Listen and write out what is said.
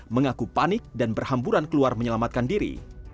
mengaku panik dan berhamburan keluar menyelamatkan diri